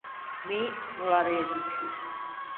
Mi no l’arrezo ciù!